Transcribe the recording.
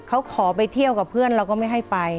เขาขอไปเที่ยวกับเพื่อนเราก็ไม่ให้ไป